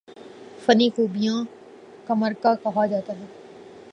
فنی خوبیوں کا مرقع کہا جاتا ہے